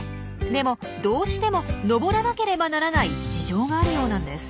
でもどうしても登らなければならない事情があるようなんです。